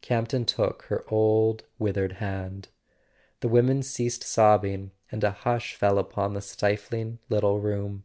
Campton took her old withered hand. The women ceased sobbing and a hush fell upon the stifling little room.